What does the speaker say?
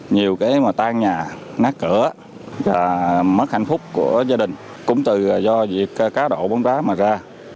nhiều cái mà tan nhà nát cửa và mất hạnh phúc của gia đình cũng từ do việc cá độ bóng đá mà ra